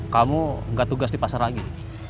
kamu gak tugas di pasar lagi